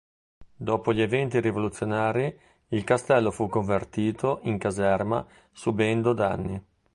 Dopo gli eventi rivoluzionari il castello fu convertito in caserma subendo danni.